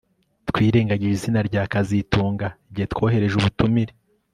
Twirengagije izina rya kazitunga igihe twohereje ubutumire